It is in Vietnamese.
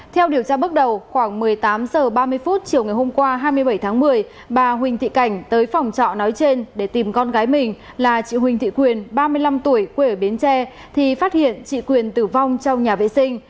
theo điều tra bước đầu khoảng một mươi tám h ba mươi chiều ngày hôm qua hai mươi bảy tháng một mươi bà huỳnh thị cảnh tới phòng trọ nói trên để tìm con gái mình là chị huỳnh thị quyền ba mươi năm tuổi quê ở bến tre thì phát hiện chị quyền tử vong trong nhà vệ sinh